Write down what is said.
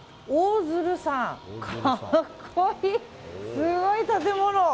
すごい建物。